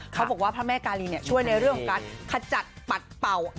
เขาบอกว่าพระแม่กาลีช่วยในเรื่องของการขจัดปัดเป่า